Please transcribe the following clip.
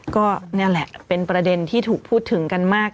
ก็นี่แหละเป็นประเด็นที่ถูกพูดถึงกันมาก